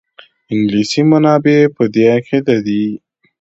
انګلیسي منابع په دې عقیده دي.